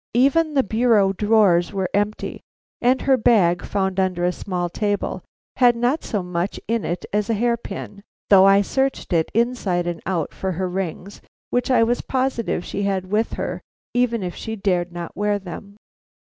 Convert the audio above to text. Even the bureau drawers were empty, and her bag, found under a small table, had not so much in it as a hair pin, though I searched it inside and out for her rings, which I was positive she had with her, even if she dared not wear them.